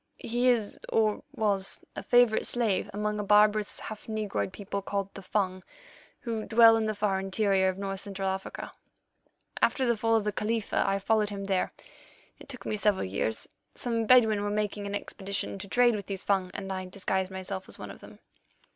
"He is, or was, a favourite slave among a barbarous, half negroid people called the Fung, who dwell in the far interior of North Central Africa. After the fall of the Khalifa I followed him there; it took me several years. Some Bedouin were making an expedition to trade with these Fung, and I disguised myself as one of them.